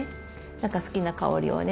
何か好きな香りをね